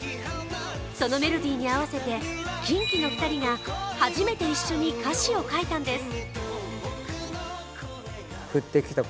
そのメロディーに合わせてキンキの２人が初めて歌詞を書いたんです